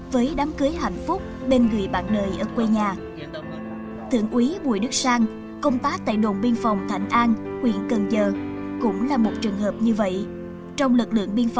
với đám cưới hạnh phúc bên người bạn đời